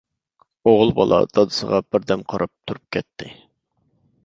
ئوغۇل بالا دادىسىغا بىردەم قاراپ تۇرۇپ كەتتى.